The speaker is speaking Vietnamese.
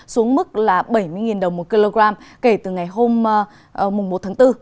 xuống mức là bảy mươi đồng một kg kể từ ngày hôm một tháng bốn